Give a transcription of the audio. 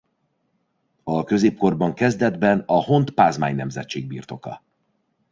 A középkorban kezdetben a Hont-Pázmány nemzetség birtoka.